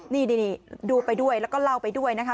นี่ดูไปด้วยแล้วก็เล่าไปด้วยนะคะ